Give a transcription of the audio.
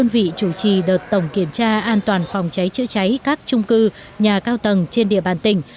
vị chủ trì đợt tổng kiểm tra an toàn phòng cháy chữa cháy các trung cư nhà cao tầng trên địa bàn tỉnh